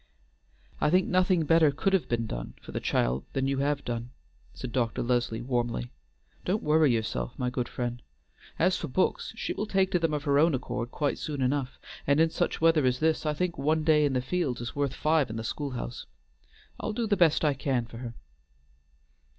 "I think nothing better could have been done for the child than you have done," said Dr. Leslie warmly. "Don't worry yourself, my good friend. As for books, she will take to them of her own accord quite soon enough, and in such weather as this I think one day in the fields is worth five in the school house. I'll do the best I can for her."